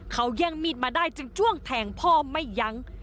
เขาแย่งมีดมาได้จึงจ้วงแทงพ่อไม่ยั้ง